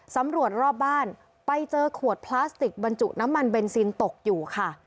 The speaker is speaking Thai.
สำรวจรอบบ้านไปเจอขวดพลาสติกบรรจุน้ำมันเบนซินตกอยู่ค่ะ